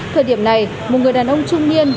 thời điểm này một người đàn ông trung nhiên